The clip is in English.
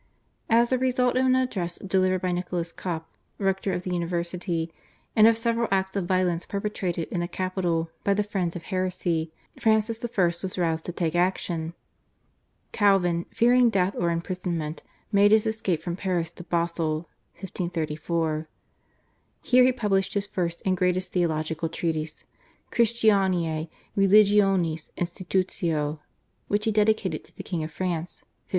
As a result of an address delivered by Nicholas Cop, rector of the university, and of several acts of violence perpetrated in the capital by the friends of heresy Francis I. was roused to take action. Calvin, fearing death or imprisonment, made his escape from Paris to Basle (1534). Here he published his first and greatest theological treatise, /Christianae Religionis Institutio/, which he dedicated to the King of France (1536).